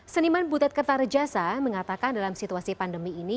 seniman butet kertarejasa mengatakan dalam situasi pandemi ini